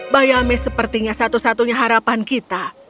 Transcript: bayames sepertinya satu satunya harapan kita